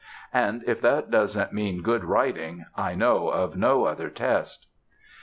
And if that doesn't mean good writing I know of no other test.